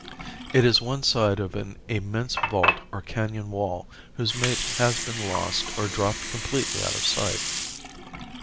It is one side of an immense vault or canon wall whose mate has been lost or dropped completely out of sight.